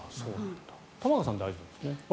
玉川さんは大丈夫なんですよね